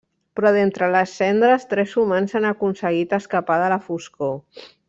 Però d'entre les cendres, tres humans han aconseguit escapar de la foscor.